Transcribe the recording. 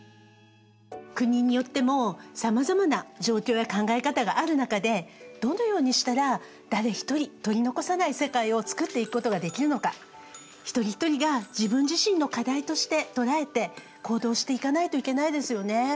国によってもさまざまな状況や考え方がある中でどのようにしたら誰一人取り残さない世界を創っていくことができるのか一人一人が自分自身の課題として捉えて行動していかないといけないですよね。